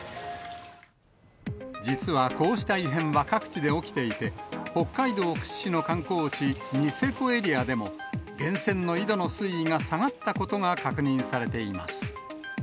実はこうした異変は各地で起きていて、北海道屈指の観光地、ニセコエリアでも、源泉の井戸の水位が下がったことが確認されています。